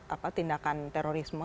apa tindakan terorisme